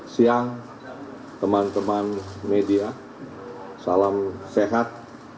siang teman teman media salam sehat